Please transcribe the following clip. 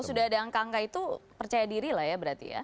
sudah ada angka angka itu percaya diri lah ya berarti ya